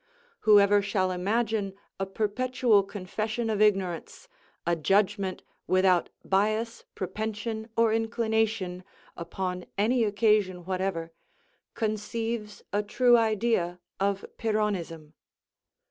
Whoever shall imagine a perpetual confession of ignorance, a judgment without bias, propension, or inclination, upon any occasion whatever, conceives a true idea of Pyrrhonism.